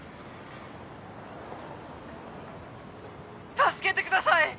☎助けてください！